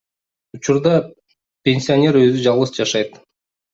Учурда пенсионер өзү жалгыз жашайт.